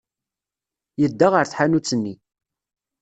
Yedda ɣer tḥanut-nni.